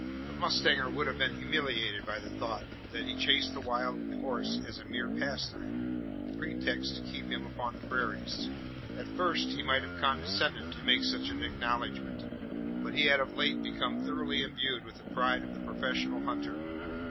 The mustanger would have been humiliated by the thought, that he chased the wild horse as a mere pastime a pretext to keep him upon the prairies. At first, he might have condescended to make such an acknowledgment but he had of late become thoroughly imbued with the pride of the professional hunter.